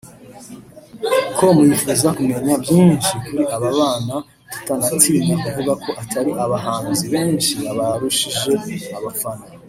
com yifuza kumenya byinshi kuri aba bana tutanatinya kuvuga ko atari abahanzi benshi babarushije abafana